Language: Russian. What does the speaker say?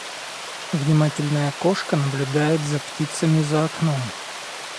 Внимательная кошка наблюдает за птицами за окном